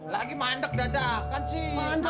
lagi mandek dada